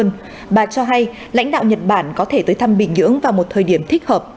nhưng bà cho hay lãnh đạo nhật bản có thể tới thăm bình nhưỡng vào một thời điểm thích hợp